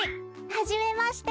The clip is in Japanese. はじめまして。